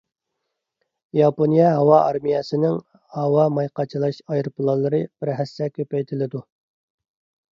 ياپونىيە ھاۋا ئارمىيەسىنىڭ ھاۋا ماي قاچىلاش ئايروپىلانلىرى بىر ھەسسە كۆپەيتىلىدۇ.